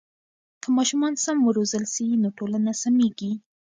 که ماشومان سم و روزل سي نو ټولنه سمیږي.